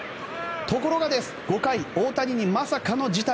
ところが５回大谷にまさかの事態。